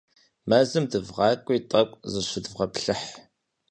Мэзым дывгъакӀуи, тӀэкӀу зыщыдвгъэплъыхь.